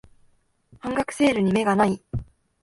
半額セールに目がない